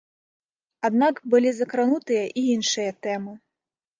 Аднак былі закранутыя і іншыя тэмы.